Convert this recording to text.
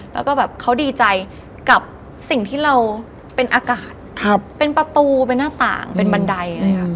แล้วก็แบบเขาดีใจกับสิ่งที่เราเป็นอากาศเป็นประตูเป็นหน้าต่างเป็นบันไดเลยค่ะ